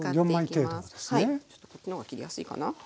ちょっとこっちの方が切りやすいかな。